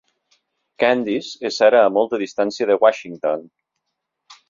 Candice és ara a molt distància de Washington!